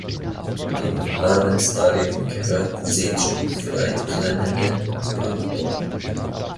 Im Larvenstadium gehört sie zum frei treibenden Plankton.